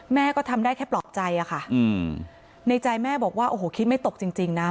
แม่ก็ทำได้แค่ปลอบใจอะค่ะในใจแม่บอกว่าโอ้โหคิดไม่ตกจริงนะ